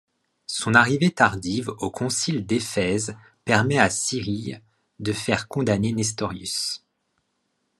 Son arrivée tardive au concile d'Éphèse permet à Cyrille de faire condamner Nestorius.